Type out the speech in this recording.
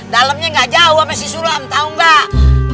dalemnya nggak jauh sama si sulam tau nggak